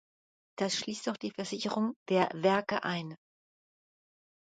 Das schließt auch die Versicherung der Werke ein.